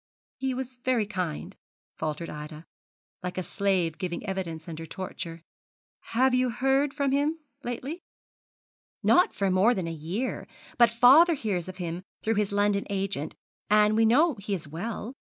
'He was very kind,' faltered Ida, like a slave giving evidence under torture. 'Have you heard from him lately?' 'Not for more than a year, but father hears of him through his London agent, and we know he is well.